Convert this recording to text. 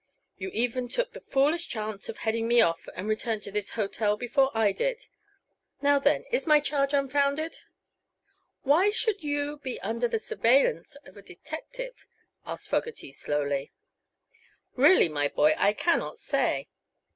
You even took the foolish chance of heading me off, and returned to this hotel before I did. Now, then, is my charge unfounded?" "Why should you be under the surveillance of a detective?" asked Fogerty, slowly. "Really, my boy, I cannot say.